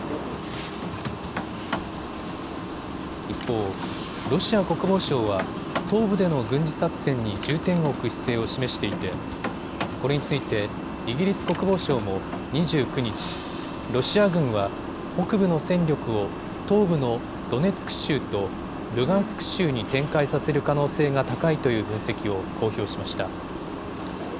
一方、ロシア国防省は東部での軍事作戦に重点を置く姿勢を示していてこれについてイギリス国防省も２９日、ロシア軍は北部の戦力を東部のドネツク州とルガンスク州に展開させる可能性が高いという分析を公表しました。